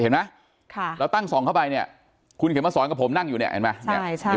เราตั้ง๒เข้าไปคุณเขียนมาสอนกับผมนั่งอยู่เนี่ย